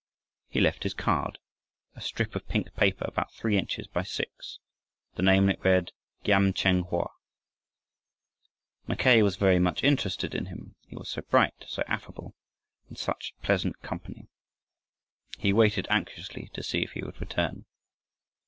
He left his card, a strip of pink paper about three inches by six; the name on it read Giam Cheng Hoa. Mackay was very much interested in him, he was so bright, so affable, and such pleasant company. He waited anxiously to see if he would return.